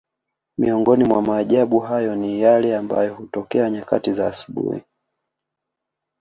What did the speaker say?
Miongoni mwa maajabu hayo ni yale ambayo hutokea nyakati za asubuhi